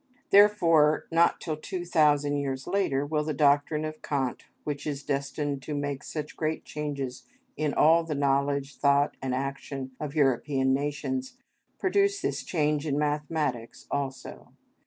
Therefore, not till two thousand years later will the doctrine of Kant, which is destined to make such great changes in all the knowledge, thought, and action of European nations, produce this change in mathematics also.